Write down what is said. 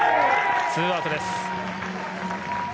２アウトです。